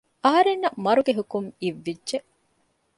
އަހަރެންނަށް މަރުގެ ހުކުމް އިއްވިއްޖެ